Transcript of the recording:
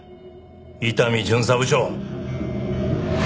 伊丹巡査部長！